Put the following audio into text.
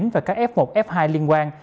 và các f một f hai liên quan